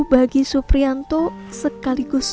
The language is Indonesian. bagi suprianto sekaligus